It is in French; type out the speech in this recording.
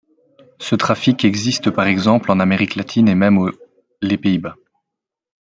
Ce trafic existe par exemple en Amérique latine et même aux les Pays-Bas.